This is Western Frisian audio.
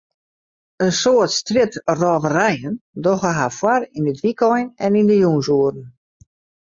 In soad strjitrôverijen dogge har foar yn it wykein en yn de jûnsoeren.